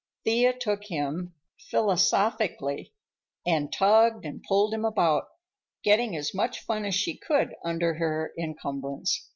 Thea took him philosophically, and tugged and pulled him about, getting as much fun as she could under her encumbrance.